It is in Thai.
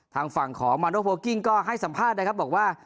ทางฝั่งของมาโนโฟกิ้งก็ให้สัมภาษณ์นะครับบอกว่า